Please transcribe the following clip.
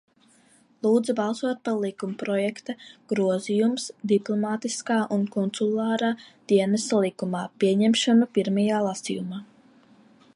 "Lūdzu balsot par likumprojekta "Grozījums Diplomātiskā un konsulārā dienesta likumā" pieņemšanu pirmajā lasījumā."